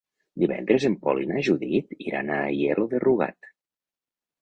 Divendres en Pol i na Judit iran a Aielo de Rugat.